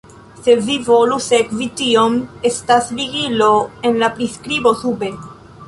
Se vi volus sekvi tion, estas ligilo en la priskribo sube.